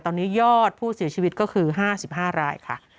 ตอนนี้ยอดผู้เสียชีวิตก็คือ๕๕รายค่ะ